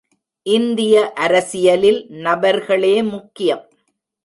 இந்திய அரசியலில் நபர்களே முக்கியம்.